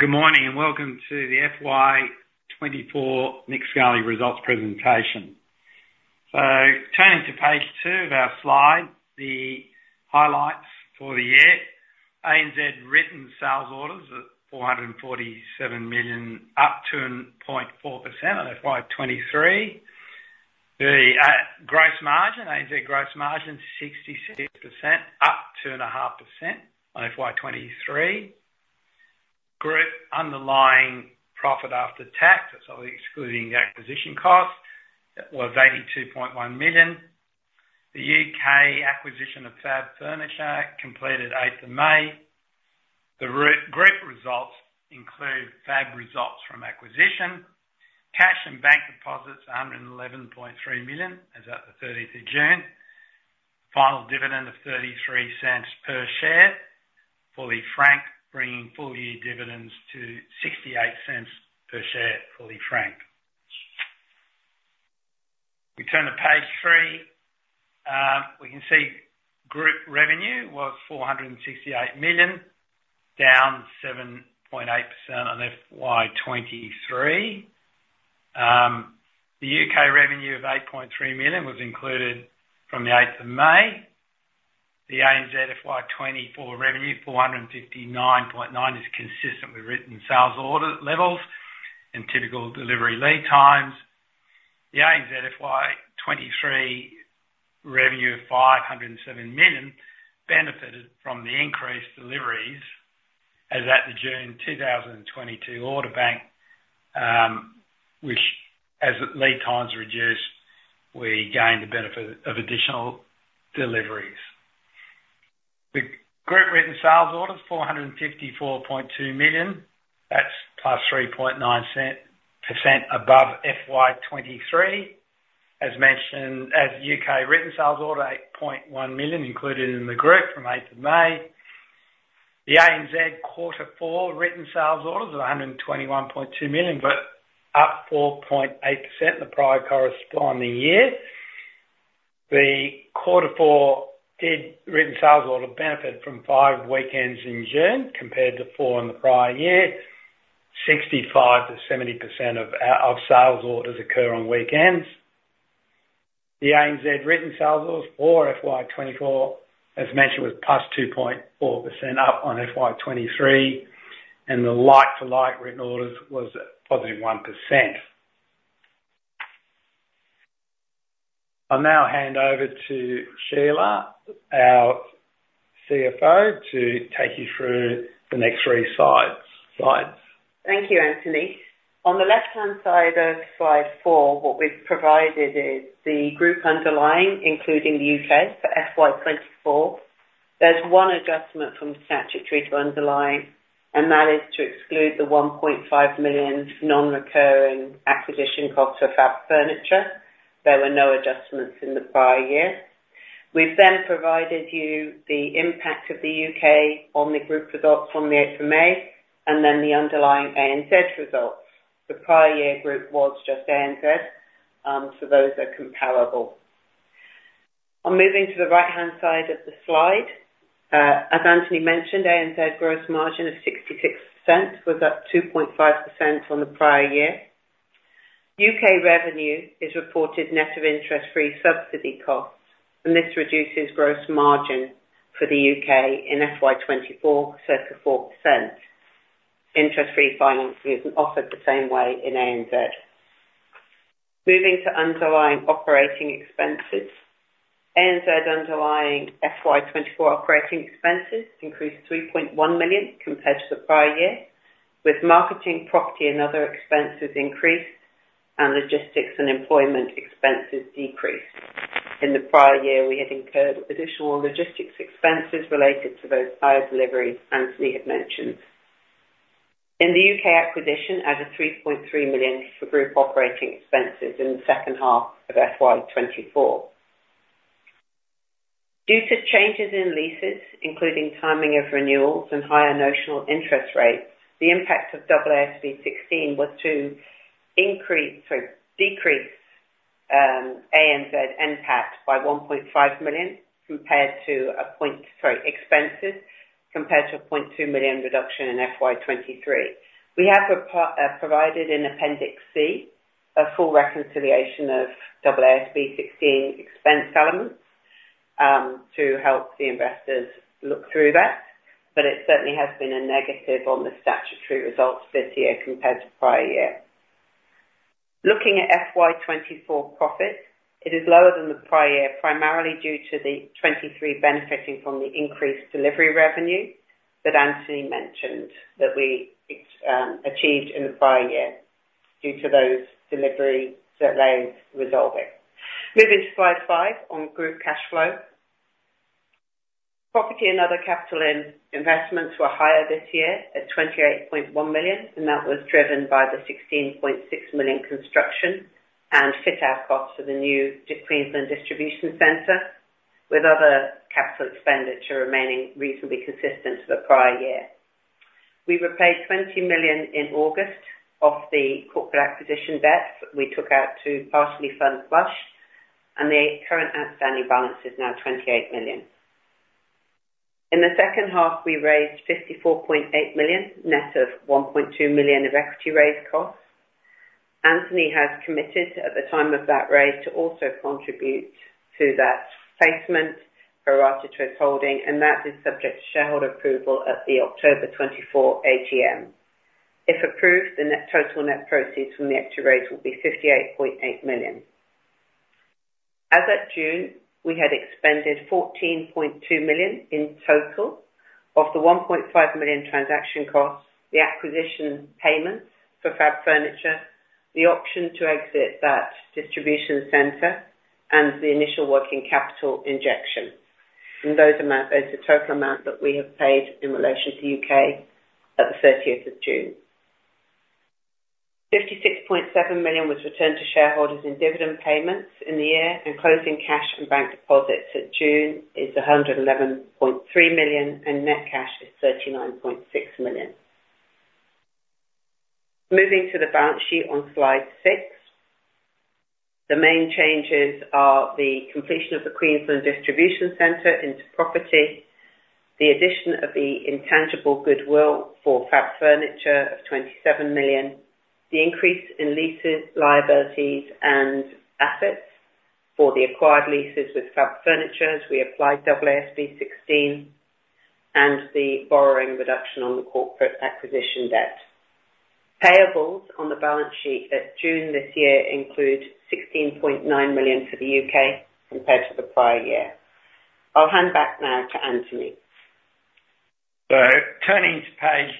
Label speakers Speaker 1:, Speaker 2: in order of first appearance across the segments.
Speaker 1: Good morning, and welcome to the FY24 Nick Scali Results Presentation. So turning to page two of our slide, the highlights for the year. ANZ written sales orders of 447 million, up 2.4% on FY23. The gross margin, ANZ gross margin, 66%, up 2.5% on FY23. Group underlying profit after tax, that's obviously excluding the acquisition costs, that was 82.1 million. The UK acquisition of Fabb Furniture completed 8th of May. The group results include Fabb results from acquisition. Cash and bank deposits, 111.3 million, as at the 13th of June. Final dividend of 0.33 per share, fully franked, bringing full year dividends to 0.68 per share, fully franked. We turn to page three. We can see group revenue was 468 million, down 7.8% on FY 2023. The UK revenue of 8.3 million was included from the 8th of May. The ANZ FY 2024 revenue, 459.9 million, is consistent with written sales order levels and typical delivery lead times. The ANZ FY 2023 revenue of 507 million benefited from the increased deliveries as at the June 2022 order bank, which, as lead times reduced, we gained the benefit of additional deliveries. The group written sales orders, 454.2 million, that's +3.9% above FY 2023. As mentioned, the UK written sales order, 8.1 million included in the group from 8th of May. The ANZ quarter four written sales orders of 121.2 million, up 4.8% in the prior corresponding year. The quarter four written sales order benefit from 5 weekends in June, compared to 4 in the prior year. 65%-70% of our sales orders occur on weekends. The ANZ written sales for FY24, as mentioned, was +2.4% up on FY23, and the like-for-like written orders was at +1%. I'll now hand over to Sheila, our CFO, to take you through the next three slides.
Speaker 2: Thank you, Anthony. On the left-hand side of slide four, what we've provided is the group underlying, including the UK, for FY24. There's one adjustment from statutory to underlying, and that is to exclude the 1.5 million non-recurring acquisition cost of Fabb Furniture. There were no adjustments in the prior year. We've then provided you the impact of the UK on the group results on the 8th of May, and then the underlying ANZ results. The prior year group was just ANZ, so those are comparable. I'm moving to the right-hand side of the slide. As Anthony mentioned, ANZ gross margin of 66 cents was up 2.5% on the prior year. UK revenue is reported net of interest-free subsidy costs, and this reduces gross margin for the UK in FY24, circa 4%. Interest-free financing isn't offered the same way in ANZ. Moving to underlying operating expenses. ANZ underlying FY24 operating expenses increased 3.1 million compared to the prior year, with marketing, property and other expenses increased and logistics and employment expenses decreased. In the prior year, we had incurred additional logistics expenses related to those higher deliveries Anthony had mentioned. In the UK acquisition, added 3.3 million for group operating expenses in the second half of FY24. Due to changes in leases, including timing of renewals and higher notional interest rates, the impact of AASB 16 was to increase - sorry, decrease, ANZ NPAT by 1.5 million compared to a point... Sorry, expenses compared to a 0.2 million reduction in FY23. We have provided in Appendix C, a full reconciliation of AASB 16 expense elements, to help the investors look through that, but it certainly has been a negative on the statutory results this year compared to prior year. Looking at FY24 profits, it is lower than the prior year, primarily due to the FY23 benefiting from the increased delivery revenue that Anthony mentioned, that we achieved in the prior year due to those delivery delays resolving. Moving to slide 5 on group cash flow. Property and other capital investments were higher this year at 28.1 million, and that was driven by the 16.6 million construction and fit-out costs for the new Queensland Distribution Center, with other capital expenditure remaining reasonably consistent to the prior year. We repaid 20 million in August off the corporate acquisition debt we took out to partially fund Plush.... and the current outstanding balance is now 28 million. In the second half, we raised 54.8 million, net of 1.2 million of equity raise costs. Anthony has committed, at the time of that raise, to also contribute to that placement pro rata to his holding, and that is subject to shareholder approval at the October 2024 AGM. If approved, the net total net proceeds from the equity raise will be 58.8 million. As at June, we had expended 14.2 million in total of the 1.5 million transaction costs, the acquisition payments for Fabb Furniture, the option to exit that distribution center, and the initial working capital injection. Those amount is the total amount that we have paid in relation to UK at the 30th of June. 56.7 million was returned to shareholders in dividend payments in the year, and closing cash and bank deposits at June is 111.3 million, and net cash is 39.6 million. Moving to the balance sheet on slide 6. The main changes are the completion of the Queensland Distribution Center into property, the addition of the intangible goodwill for Fabb Furniture of 27 million, the increase in leases liabilities and assets for the acquired leases with Fabb Furniture as we applied AASB 16, and the borrowing reduction on the corporate acquisition debt. Payables on the balance sheet at June this year include 16.9 million for the UK compared to the prior year. I'll hand back now to Anthony.
Speaker 1: So turning to page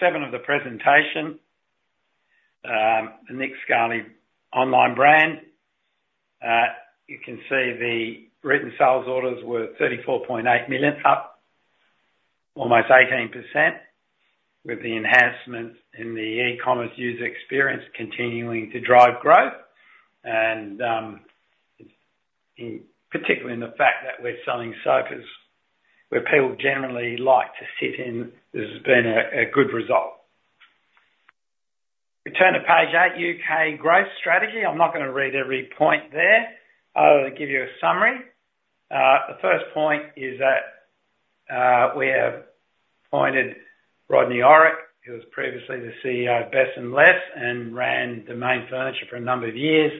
Speaker 1: 7 of the presentation, the Nick Scali online brand. You can see the written sales orders were 34.8 million, up almost 18%, with the enhancements in the e-commerce user experience continuing to drive growth, and particularly in the fact that we're selling sofas, where people generally like to sit in, this has been a good result. We turn to page 8, UK growth strategy. I'm not gonna read every point there. I'll give you a summary. The first point is that we have appointed Rodney Orrick, who was previously the CEO of Best & Less and ran Domain for a number of years,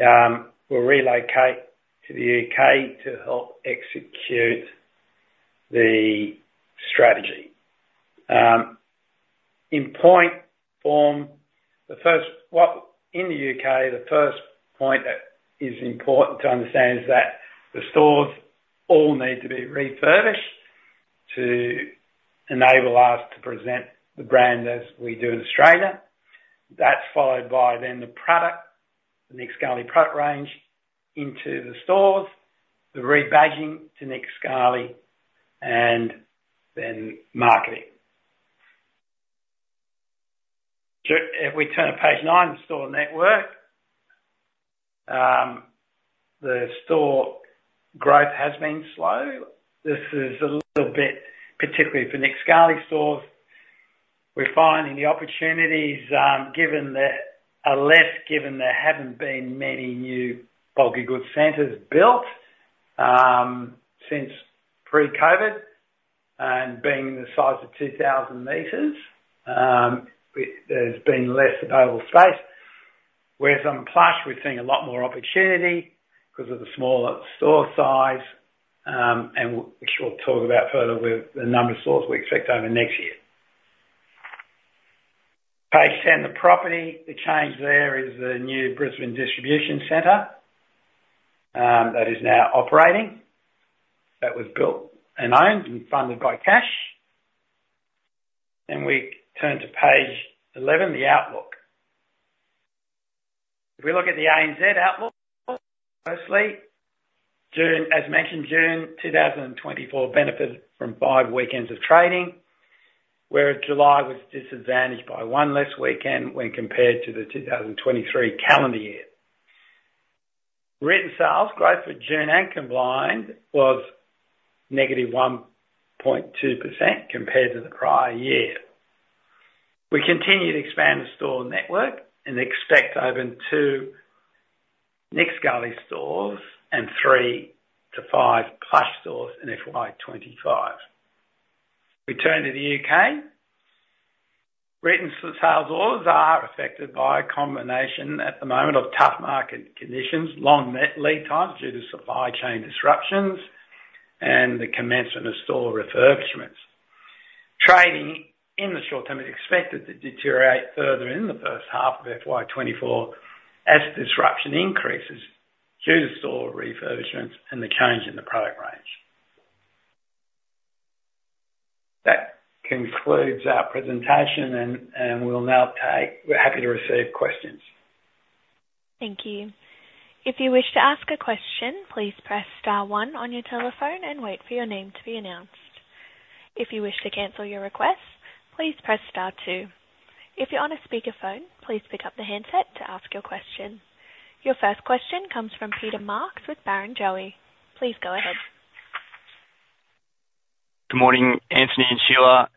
Speaker 1: will relocate to the UK to help execute the strategy. In the UK, the first point that is important to understand is that the stores all need to be refurbished to enable us to present the brand as we do in Australia. That's followed by then the product, the Nick Scali product range into the stores, the rebadging to Nick Scali, and then marketing. So if we turn to page 9, the store network. The store growth has been slow. This is a little bit, particularly for Nick Scali stores. We're finding the opportunities, given that are less, given there haven't been many new bulky goods centers built, since pre-COVID, and being the size of 2,000 meters, there's been less available space. Whereas on Plush, we're seeing a lot more opportunity because of the smaller store size, and which we'll talk about further with the number of stores we expect over next year. Page 10, the property. The change there is the new Brisbane Distribution Center, that is now operating. That was built and owned and funded by cash. Then we turn to page 11, the outlook. If we look at the ANZ outlook, mostly, June, as mentioned, June 2024 benefited from 5 weekends of trading, where July was disadvantaged by 1 less weekend when compared to the 2023 calendar year. Written sales growth for June and combined was -1.2% compared to the prior year. We continue to expand the store network and expect to open 2 Nick Scali stores and 3-5 Plush stores in FY25. We turn to the UK. Written sales orders are affected by a combination, at the moment, of tough market conditions, long lead times due to supply chain disruptions, and the commencement of store refurbishments. Trading in the short term is expected to deteriorate further in the first half of FY24 as disruption increases due to store refurbishments and the change in the product range. That concludes our presentation, and we'll now take... We're happy to receive questions.
Speaker 3: Thank you. If you wish to ask a question, please press star one on your telephone and wait for your name to be announced. If you wish to cancel your request, please press star two. If you're on a speakerphone, please pick up the handset to ask your question. Your first question comes from Peter Marks with Barrenjoey. Please go ahead.
Speaker 4: Good morning, Anthony and Sheila.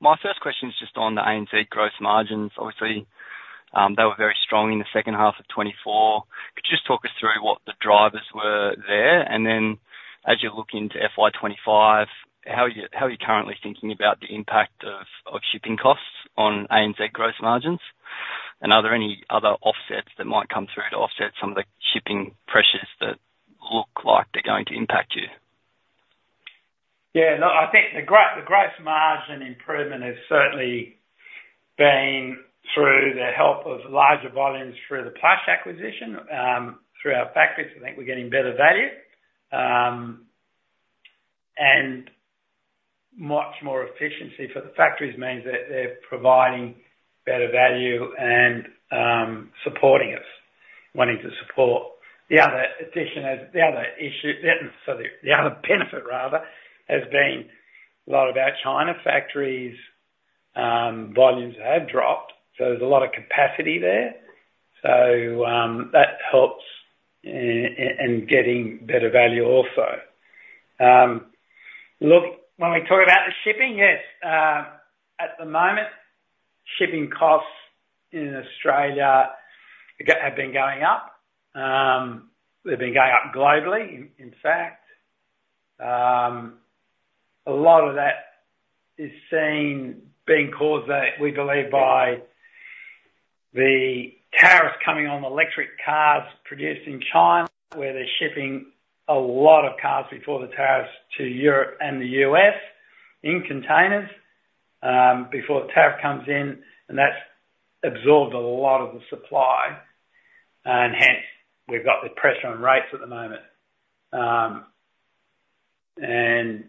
Speaker 4: My first question is just on the ANZ gross margins. Obviously, they were very strong in the second half of 2024. Could you just talk us through what the drivers were there? And then as you look into FY25, how are you, how are you currently thinking about the impact of shipping costs on ANZ gross margins? And are there any other offsets that might come through to offset some of the shipping pressures that look like they're going to impact you?
Speaker 1: Yeah, no, I think the gross margin improvement has certainly been through the help of larger volumes through the Plush acquisition, through our factories. I think we're getting better value, and much more efficiency for the factories means that they're providing better value and, supporting us, wanting to support. The other addition is. The other issue, sorry, the other benefit, rather, has been a lot of our China factories, volumes have dropped, so there's a lot of capacity there. So, that helps in getting better value also. Look, when we talk about the shipping, yes, at the moment, shipping costs in Australia have been going up. They've been going up globally, in fact. A lot of that is seen being caused by, we believe, by the tariffs coming on electric cars produced in China, where they're shipping a lot of cars before the tariffs to Europe and the U.S. in containers, before the tariff comes in, and that's absorbed a lot of the supply, and hence, we've got the pressure on rates at the moment. And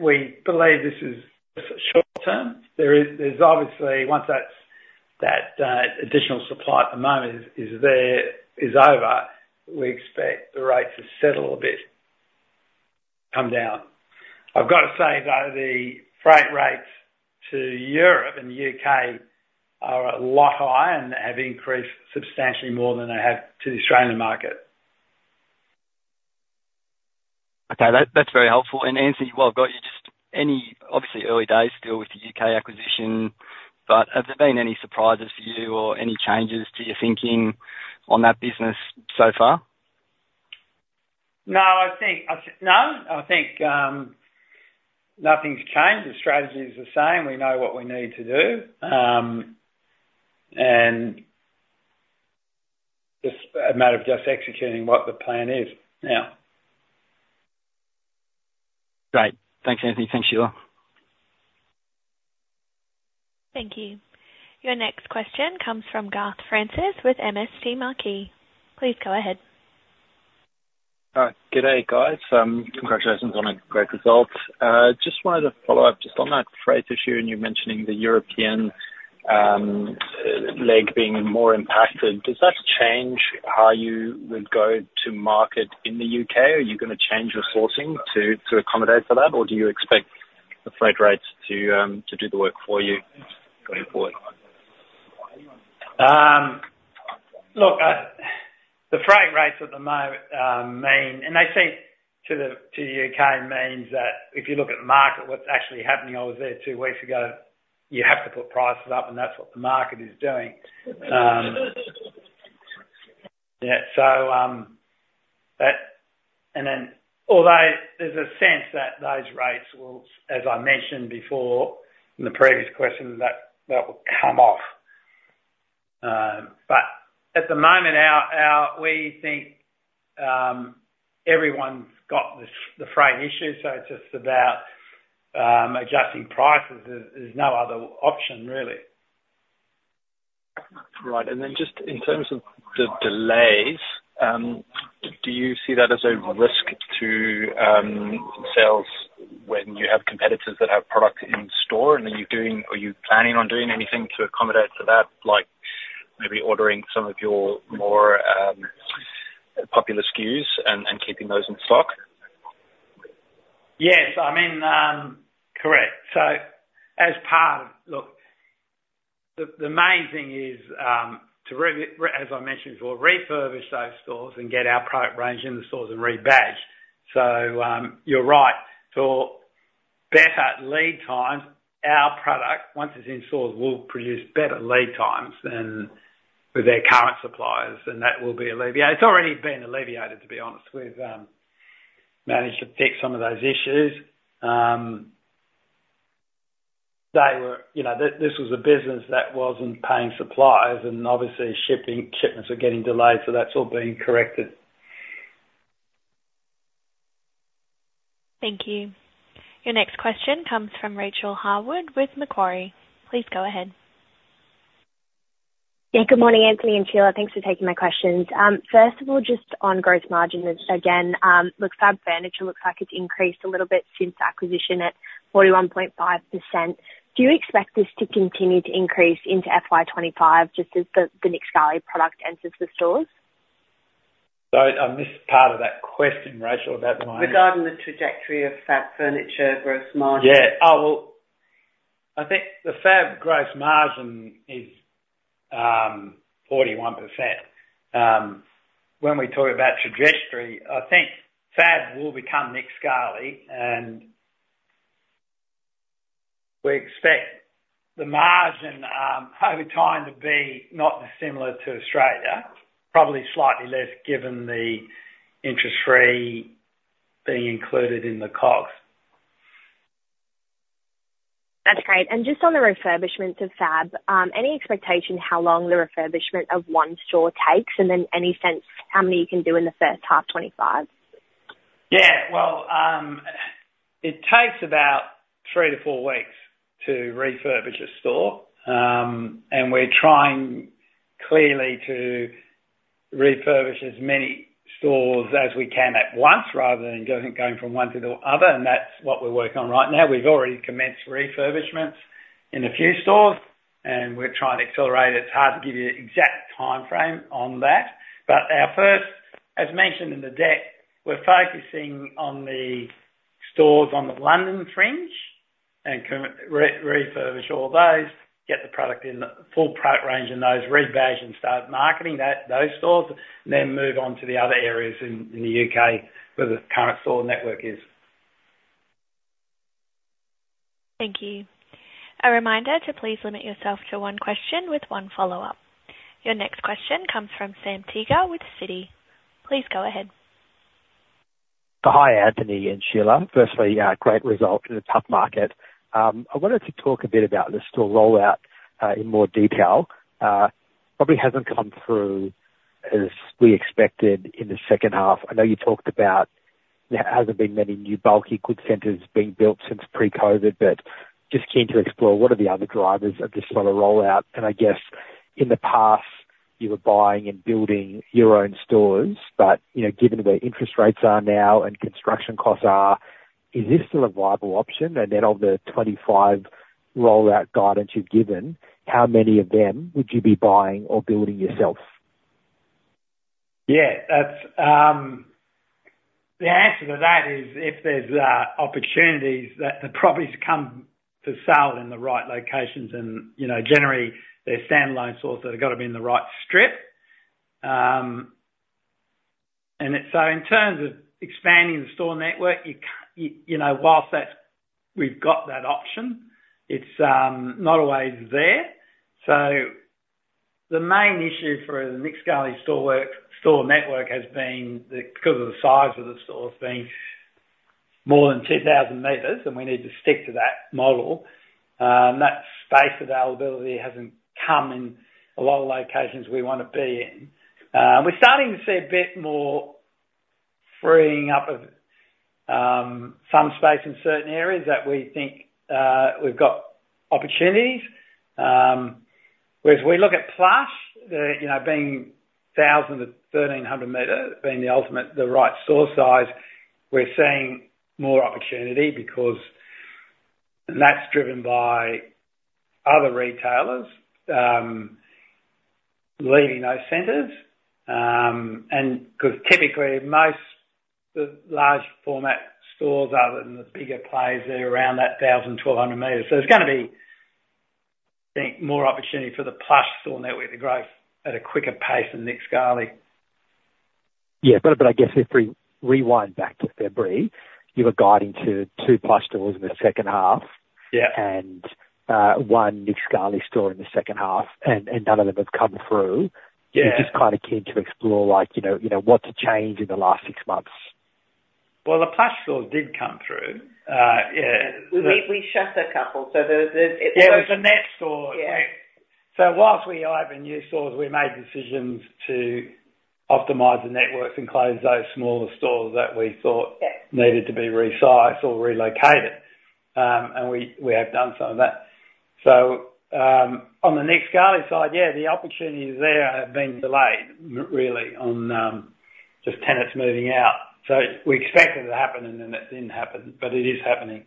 Speaker 1: we believe this is short term. There's obviously, once that additional supply at the moment is over, we expect the rates to settle a bit, come down. I've got to say, though, the freight rates to Europe and the U.K. are a lot higher and have increased substantially more than they have to the Australian market.
Speaker 4: Okay, that's very helpful. And Anthony, while I've got you, just obviously early days still with the U.K. acquisition, but have there been any surprises for you or any changes to your thinking on that business so far?
Speaker 1: No, I think nothing's changed. The strategy is the same. We know what we need to do. And just a matter of just executing what the plan is now.
Speaker 4: Great. Thanks, Anthony. Thanks, Sheila.
Speaker 3: Thank you. Your next question comes from Garth Francis with MST Marquee. Please go ahead.
Speaker 5: Good day, guys. Congratulations on a great result. Just wanted to follow up just on that freight issue, and you mentioning the European leg being more impacted. Does that change how you would go to market in the UK? Are you gonna change your sourcing to accommodate for that, or do you expect the freight rates to do the work for you going forward?
Speaker 1: Look, the freight rates at the moment mean, and they seem to the UK, means that if you look at the market, what's actually happening, I was there two weeks ago, you have to put prices up, and that's what the market is doing. Yeah, so, that-- Then, although there's a sense that those rates will, as I mentioned before in the previous question, that that will come off. But at the moment, our, our-- we think, everyone's got this, the freight issue, so it's just about adjusting prices. There's no other option, really.
Speaker 5: Right. And then just in terms of the delays, do you see that as a risk to sales when you have competitors that have product in store? And are you planning on doing anything to accommodate for that, like maybe ordering some of your more popular SKUs and keeping those in stock?
Speaker 1: Yes, I mean, correct. So as part of... Look, the main thing is, as I mentioned, to refurbish those stores and get our product range in the stores and rebadged. So, you're right. So better lead times, our product, once it's in stores, will produce better lead times than with their current suppliers, and that will be alleviated. It's already been alleviated, to be honest. We've managed to fix some of those issues. They were, you know, this was a business that wasn't paying suppliers, and obviously, shipments were getting delayed, so that's all being corrected.
Speaker 3: Thank you. Your next question comes from Rachel Harwood with Macquarie. Please go ahead.
Speaker 6: Yeah, good morning, Anthony and Sheila. Thanks for taking my questions. First of all, just on gross margins again, look, Fabb Furniture looks like it's increased a little bit since acquisition at 41.5%. Do you expect this to continue to increase into FY25, just as the Nick Scali product enters the stores?
Speaker 1: I missed part of that question, Rachel, about my-
Speaker 2: Regarding the trajectory of Fabb Furniture gross margin.
Speaker 1: Yeah. Oh, well, I think the Fabb gross margin is 41%. When we talk about trajectory, I think Fabb will become Nick Scali, and we expect the margin over time to be not dissimilar to Australia, probably slightly less, given the interest free being included in the costs.
Speaker 6: That's great. And just on the refurbishments of Fabb, any expectation how long the refurbishment of one store takes? And then any sense how many you can do in the first half 2025?
Speaker 1: Yeah. Well, it takes about 3-4 weeks to refurbish a store. And we're trying, clearly, to refurbish as many stores as we can at once, rather than going from one to the other, and that's what we're working on right now. We've already commenced refurbishments in a few stores, and we're trying to accelerate it. It's hard to give you an exact timeframe on that, but our first, as mentioned in the deck, we're focusing on the stores on the London fringe, and refurbish all those, get the product in, the full product range in those, rebadge and start marketing those stores, and then move on to the other areas in the UK, where the current store network is.
Speaker 3: Thank you. A reminder to please limit yourself to one question with one follow-up. Your next question comes from Sam Teeger with Citi. Please go ahead.
Speaker 7: Hi, Anthony and Sheila. Firstly, great result in a tough market. I wanted to talk a bit about the store rollout, in more detail. Probably hasn't come through as we expected in the second half. I know you talked about there hasn't been many new bulky good centers being built since pre-COVID, but just keen to explore what are the other drivers of the slower rollout. And I guess, in the past, you were buying and building your own stores, but, you know, given where interest rates are now and construction costs are, is this still a viable option? And then of the 25 rollout guidance you've given, how many of them would you be buying or building yourself?
Speaker 1: Yeah, that's the answer to that is, if there's opportunities that the properties come to sale in the right locations and, you know, generally, they're standalone stores, so they've got to be in the right strip. So in terms of expanding the store network, you know, whilst that's, we've got that option, it's not always there. So the main issue for the Nick Scali store network has been the, because of the size of the stores, being more than 2,000 meters, and we need to stick to that model. We're starting to see a bit more freeing up of some space in certain areas that we think we've got opportunities. Whereas we look at Plush, the, you know, being 1000-1300 meter, being the ultimate, the right store size, we're seeing more opportunity because that's driven by other retailers leaving those centers. And because typically, most of the large format stores are in the bigger places, they're around that 1000, 1200 meters. So there's gonna be, I think, more opportunity for the Plush store network to grow at a quicker pace than Nick Scali.
Speaker 7: Yeah, but I guess if we rewind back to February, you were guiding to two Plush stores in the second half-
Speaker 1: Yeah.
Speaker 7: One Nick Scali store in the second half, and none of them have come through.
Speaker 1: Yeah.
Speaker 7: I'm just kind of keen to explore, like, you know, you know, what's changed in the last six months?
Speaker 1: Well, the Plush stores did come through. Yeah. We shut a couple, so there's- Yeah, it was a net store. Yeah. So whilst we open new stores, we made decisions to optimize the networks and close those smaller stores that needed to be resized or relocated. And we have done some of that. So, on the Nick Scali side, yeah, the opportunities there have been delayed, really, on just tenants moving out. So we expected it to happen, and then it didn't happen, but it is happening.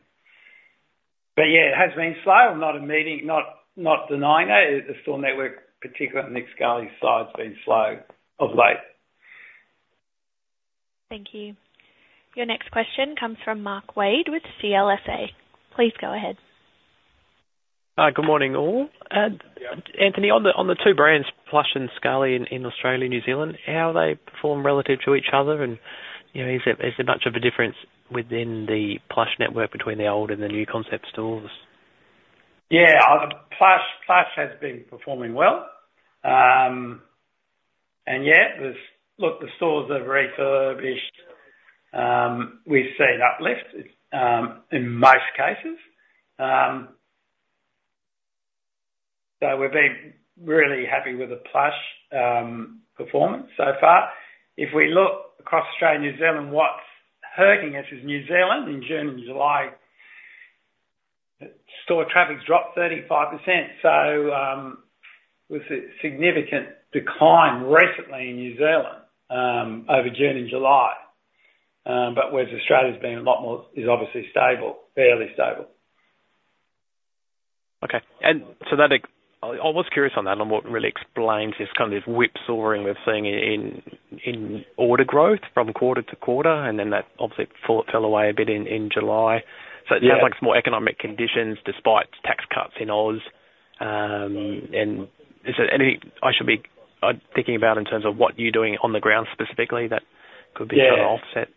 Speaker 1: But yeah, it has been slow. I'm not admitting, not denying it. The store network, particularly on the Nick Scali side, has been slow of late.
Speaker 3: Thank you. Your next question comes from Mark Wade, with CLSA. Please go ahead.
Speaker 8: Good morning, all. Anthony, on the two brands, Plush and Scali, in Australia, New Zealand, how are they performing relative to each other? And, you know, is there much of a difference within the Plush network between the old and the new concept stores?
Speaker 1: Yeah. Plush, Plush has been performing well. And yeah, look, the stores that are refurbished, we've seen uplift, in most cases. So we've been really happy with the Plush, performance so far. If we look across Australia, New Zealand, what's hurting us is New Zealand. In June and July, store traffic dropped 35%, so, was a significant decline recently in New Zealand, over June and July. But whereas Australia's been a lot more... Is obviously stable, fairly stable.
Speaker 8: Okay. And so that, I was curious on that, on what really explains this kind of whipsawing we're seeing in order growth from quarter to quarter, and then that obviously fell away a bit in July.
Speaker 1: Yeah.
Speaker 8: It sounds like it's more economic conditions despite tax cuts in Oz, and is there anything I should be thinking about in terms of what you're doing on the ground specifically, that- Could be trying to offset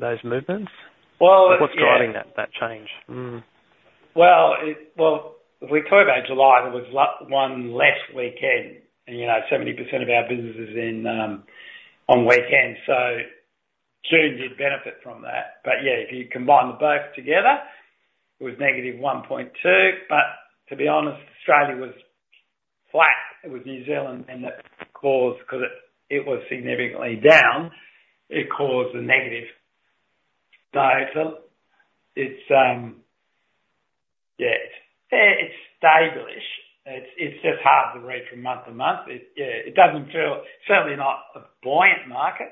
Speaker 8: those movements?
Speaker 1: Well, yeah.
Speaker 8: What's driving that change?
Speaker 1: Well, well, if we talk about July, there was one less weekend, and, you know, 70% of our business is in on weekends, so June did benefit from that. But yeah, if you combine them both together, it was negative 1.2%. But to be honest, Australia was flat. It was New Zealand, and that caused it because it was significantly down, it caused a negative. So it's, yeah, it's stable-ish. It's just hard to read from month to month. Yeah, it doesn't feel certainly not a buoyant market,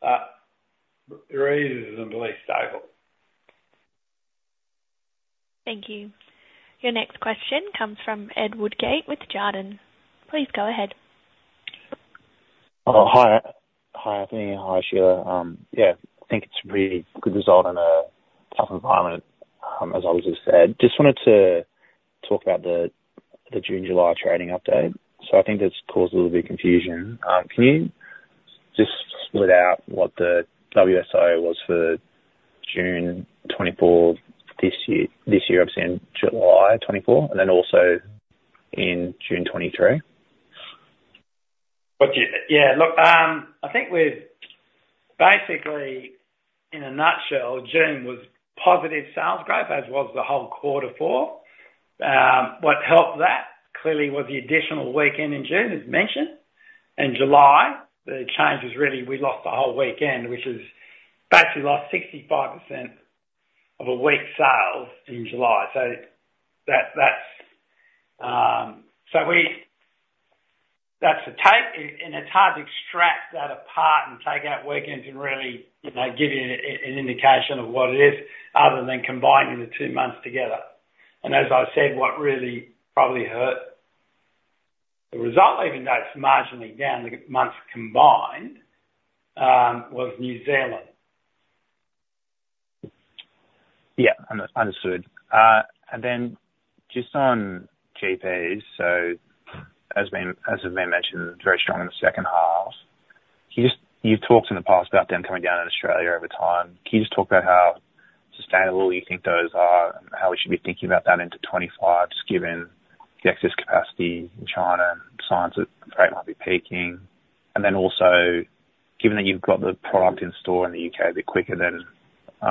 Speaker 1: but it is at least stable.
Speaker 3: Thank you. Your next question comes from Ed Woodgate with Jarden. Please go ahead.
Speaker 9: Oh, hi. Hi, Anthony. Hi, Sheila. Yeah, I think it's a really good result in a tough environment, as I was just said. Just wanted to talk about the June, July trading update. So I think it's caused a little bit of confusion. Can you just split out what the WSI was for June 2024 this year, this year, obviously, and July 2024, and then also in June 2023?
Speaker 1: Yeah, look, I think we're basically, in a nutshell, June was positive sales growth, as was the whole quarter four. What helped that, clearly, was the additional weekend in June, as mentioned. In July, the change was really, we lost the whole weekend, which is basically lost 65% of a week's sales in July. So that's the take, and it's hard to extract that apart and take out weekends and really, you know, give you an indication of what it is, other than combining the two months together. And as I said, what really probably hurt the result, even though it's marginally down, the months combined, was New Zealand.
Speaker 9: Yeah. Understood. And then just on GPs, so as has been mentioned, very strong in the second half. Can you just— You've talked in the past about them coming down in Australia over time. Can you just talk about how sustainable you think those are and how we should be thinking about that into 2025, just given the excess capacity in China and signs that freight might be peaking? And then also, given that you've got the product in store in the UK, a bit quicker than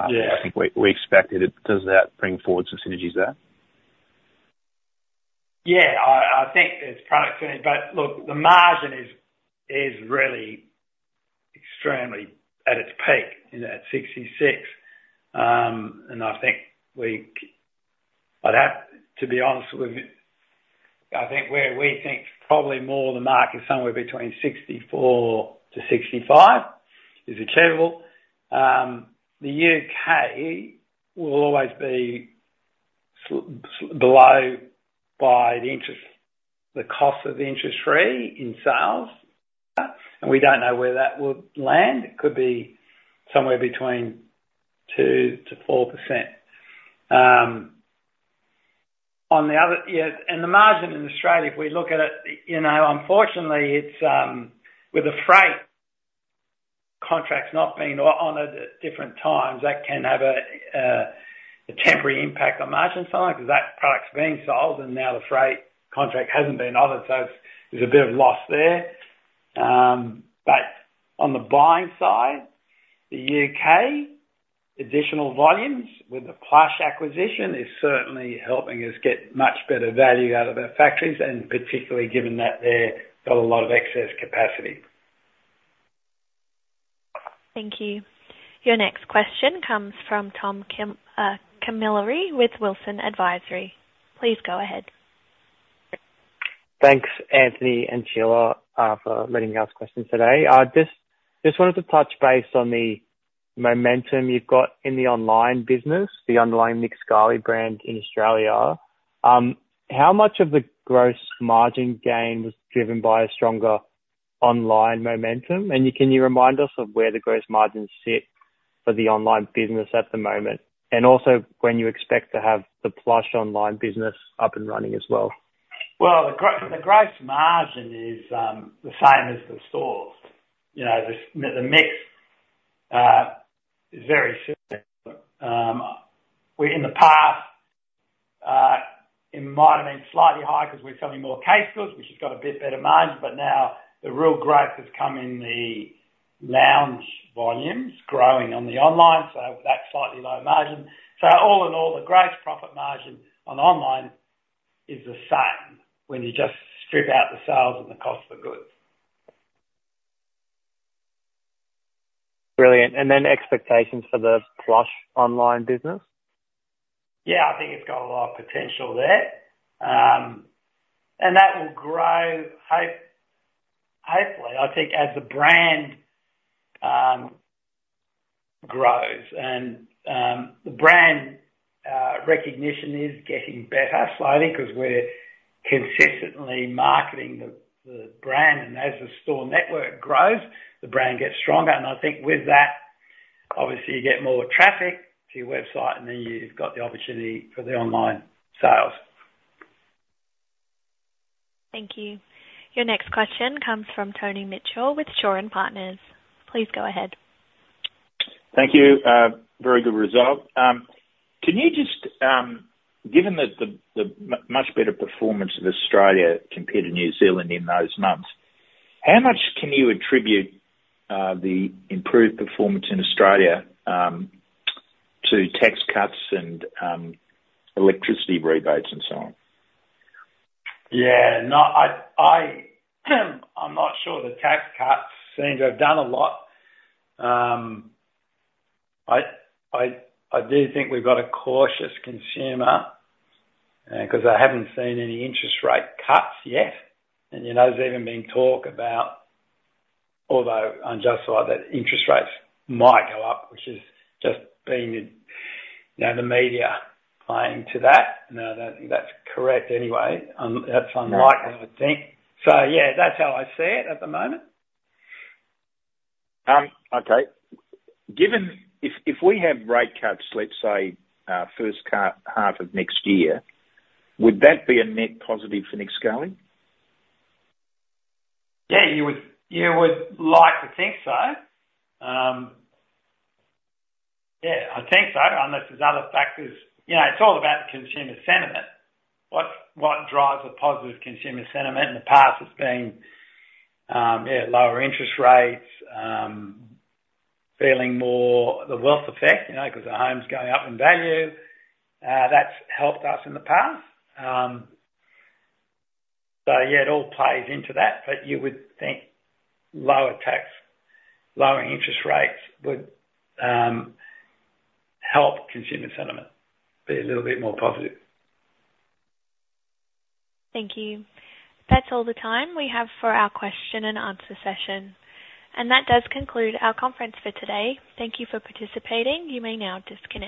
Speaker 1: Yeah
Speaker 9: I think we expected, does that bring forward some synergies there?
Speaker 1: Yeah, I think there's product synergy, but look, the margin is really extremely at its peak, you know, at 66. And I think I'd have to be honest with you, I think where we think probably more the market is somewhere between 64-65 is achievable. The UK will always be below by the interest, the cost of the interest-free in sales, and we don't know where that will land. It could be somewhere between 2%-4%. On the other... Yeah, and the margin in Australia, if we look at it, you know, unfortunately, it's with the freight contracts not being honored at different times, that can have a temporary impact on margin side, because that product's being sold, and now the freight contract hasn't been honored, so it's, there's a bit of loss there. On the buying side, the UK, additional volumes with the Plush acquisition is certainly helping us get much better value out of our factories, and particularly given that they're got a lot of excess capacity.
Speaker 3: Thank you. Your next question comes from Thomas Camilleri with Wilsons Advisory. Please go ahead.
Speaker 10: Thanks, Anthony and Sheila, for letting me ask questions today. I just wanted to touch base on the momentum you've got in the online business, the online Nick Scali brand in Australia. How much of the gross margin gain was driven by a stronger online momentum? And can you remind us of where the gross margins sit for the online business at the moment, and also when you expect to have the Plush online business up and running as well?
Speaker 1: Well, the gross margin is the same as the stores. You know, the mix is very similar. In the past, it might have been slightly higher because we're selling more case goods, which has got a bit better margin, but now the real growth has come in the lounge volumes, growing on the online, so that's slightly lower margin. So all in all, the gross profit margin on online is the same when you just strip out the sales and the cost of the goods.
Speaker 9: Brilliant. And then expectations for the Plush online business?
Speaker 1: Yeah, I think it's got a lot of potential there. And that will grow hopefully, I think, as the brand grows. And the brand recognition is getting better slowly, 'cause we're consistently marketing the brand. And as the store network grows, the brand gets stronger. And I think with that, obviously you get more traffic to your website, and then you've got the opportunity for the online sales.
Speaker 3: Thank you. Your next question comes from Tony Mitchell with Shaw and Partners. Please go ahead.
Speaker 11: Thank you. Very good result. Can you just... Given the much better performance of Australia compared to New Zealand in those months, how much can you attribute the improved performance in Australia to tax cuts and electricity rebates and so on?
Speaker 1: Yeah, no, I'm not sure the tax cuts seem to have done a lot. I do think we've got a cautious consumer, 'cause I haven't seen any interest rate cuts yet, and, you know, there's even been talk about, although unjustified, that interest rates might go up, which is just being, you know, the media playing to that. And I don't think that's correct anyway, that's unlikely, I think. So yeah, that's how I see it at the moment.
Speaker 11: Okay. Given, if we have rate cuts, let's say, first half of next year, would that be a net positive for Nick Scali?
Speaker 1: Yeah, you would, you would like to think so. Yeah, I think so, unless there's other factors. You know, it's all about consumer sentiment. What, what drives a positive consumer sentiment? In the past, it's been, yeah, lower interest rates, feeling more the wealth effect, you know, 'cause the home's going up in value. That's helped us in the past. So yeah, it all plays into that, but you would think lower tax, lower interest rates would help consumer sentiment be a little bit more positive.
Speaker 3: Thank you. That's all the time we have for our question and answer session, and that does conclude our conference for today. Thank you for participating. You may now disconnect.